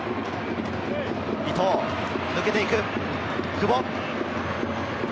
伊東、抜けていく、久保。